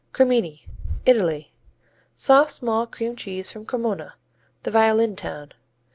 Cremini Italy Soft, small cream cheese from Cremona, the violin town.